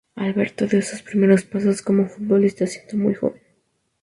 Alberto dio sus primeros pasos como futbolista siendo muy joven.